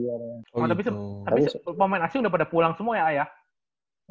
tapi pemain asing udah pada pulang semua ya ayah